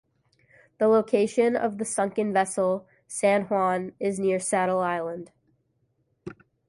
The location of the sunken vessel "San Juan" is near Saddle Island.